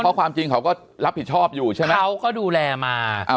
เพราะความจริงเขาก็รับผิดชอบอยู่ใช่ไหมเขาก็ดูแลมาอ่า